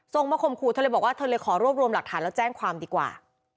ส่งมาข่มขู่เธอเลยบอกว่าเธอเลยขอรวบรวมหลักฐานแล้วแจ้งความดีกว่า